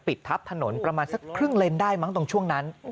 ทับถนนประมาณสักครึ่งเลนได้มั้งตรงช่วงนั้น